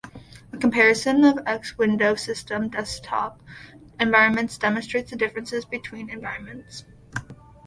A comparison of X Window System desktop environments demonstrates the differences between environments.